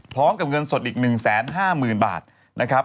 พร้อมกับเงินสดอีก๑๕๐๐๐บาทนะครับ